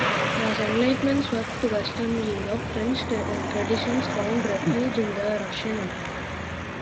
As the Enlightenment swept Western Europe, French traditions found refuge in the Russian Empire.